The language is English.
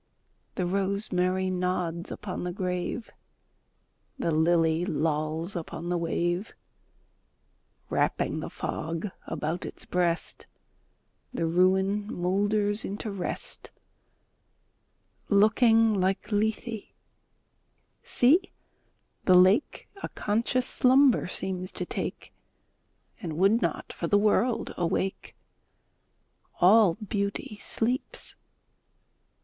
The rosemary nods upon the grave; The lily lolls upon the wave; Wrapping the fog about its breast, The ruin moulders into rest; Looking like Lethe, see! the lake A conscious slumber seems to take, And would not, for the world, awake. All Beauty sleeps!